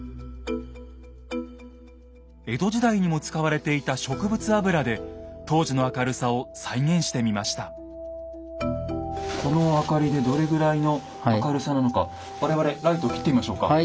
江戸時代にも使われていた植物油でこの明かりでどれぐらいの明るさなのか我々ライトを切ってみましょうか。